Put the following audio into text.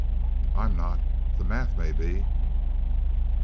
"I'm not. The math may be."